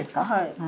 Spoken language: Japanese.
はい。